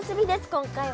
今回は。